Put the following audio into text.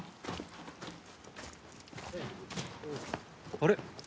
あれ？